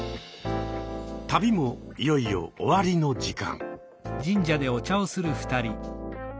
旅もいよいよ終わりの時間。